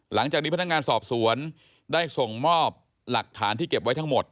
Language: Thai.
หลังจากนี้พนักงานสอบสวนได้ส่งมอบหลักฐานที่เก็บไว้ทั้งหมด